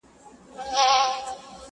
لوڅ لپړ پاچا روان لكه اشا وه،